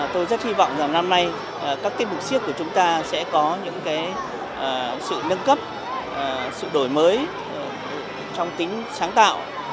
tôi rất hy vọng rằng năm nay các tiết mục siếc của chúng ta sẽ có những sự nâng cấp sự đổi mới trong tính sáng tạo